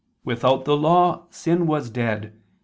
"Without the law sin was dead.